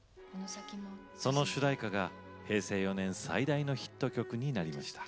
その主題歌が平成４年最大のヒット曲になりました。